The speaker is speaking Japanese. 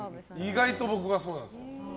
意外と僕はそうなんです。